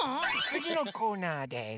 つぎのコーナーです。